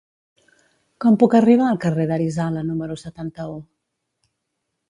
Com puc arribar al carrer d'Arizala número setanta-u?